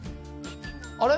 あれ？